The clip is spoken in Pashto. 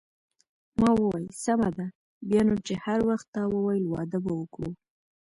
ما وویل: سمه ده، بیا نو چې هر وخت تا وویل واده به وکړو.